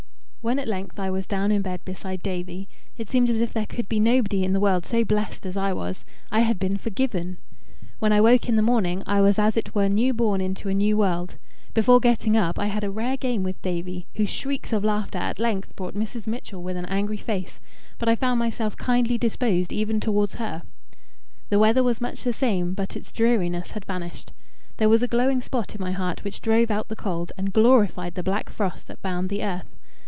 When at length I was down in bed beside Davie, it seemed as if there could be nobody in the world so blessed as I was: I had been forgiven. When I woke in the morning, I was as it were new born into a new world. Before getting up I had a rare game with Davie, whose shrieks of laughter at length brought Mrs. Mitchell with angry face; but I found myself kindly disposed even towards her. The weather was much the same; but its dreariness had vanished. There was a glowing spot in my heart which drove out the cold, and glorified the black frost that bound the earth.